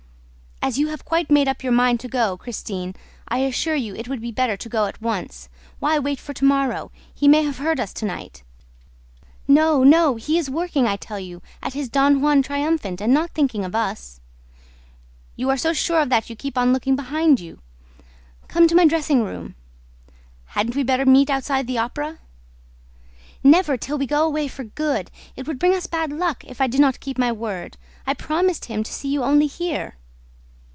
"As you have quite made up your mind to go, Christine, I assure you it would be better to go at once. Why wait for to morrow? He may have heard us to night." "No, no, he is working, I tell you, at his Don Juan Triumphant and not thinking of us." "You're so sure of that you keep on looking behind you!" "Come to my dressing room." "Hadn't we better meet outside the Opera?" "Never, till we go away for good! It would bring us bad luck, if I did not keep my word. I promised him to see you only here."